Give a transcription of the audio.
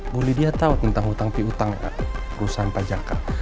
boleh dia tahu tentang hutang pihutang perusahaan pajangka